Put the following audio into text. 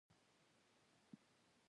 علي د خپلو کارونو نه اوږې سپکې کړلې.